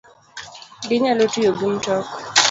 Ginyalo tiyo gi mtok